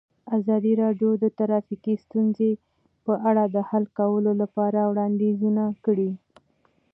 ازادي راډیو د ټرافیکي ستونزې په اړه د حل کولو لپاره وړاندیزونه کړي.